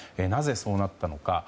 なぜそうなったのか。